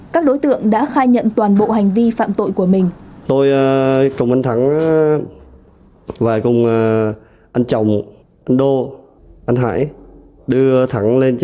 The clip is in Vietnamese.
các đối tượng đã khai nhận toàn bộ hành vi phạm tội của mình